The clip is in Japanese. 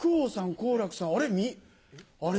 好楽さんあれ？